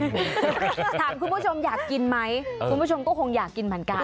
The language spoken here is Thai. ถามคุณผู้ชมอยากกินไหมคุณผู้ชมก็คงอยากกินเหมือนกัน